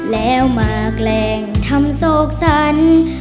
แล้วมาแกล้งทำโศกสรร